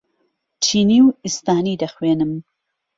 چینی و ئیسپانی دەخوێنم.